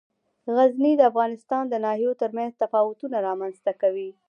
غزني د افغانستان د ناحیو ترمنځ تفاوتونه رامنځ ته کوي.